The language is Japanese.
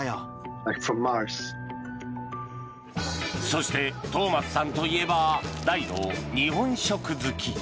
そして、トーマスさんといえば大の日本食好き。